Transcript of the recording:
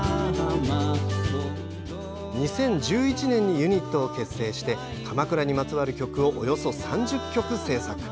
２０１１年にユニットを結成して鎌倉にまつわる曲をおよそ３０曲制作。